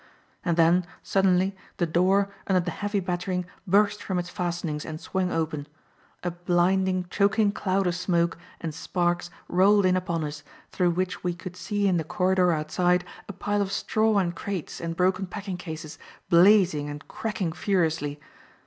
And then suddenly, the door, under the heavy battering, burst from its fastenings and swung open. A blinding, choking cloud of smoke and sparks rolled in upon us, through which we could see in the corridor outside a pile of straw and crates and broken packing cases, blazing and cracking furiously.